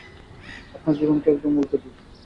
আপনার জীবনকে একদম উল্টে দিবে।